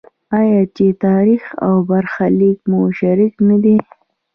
آیا چې تاریخ او برخلیک مو شریک نه دی؟